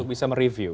untuk bisa mereview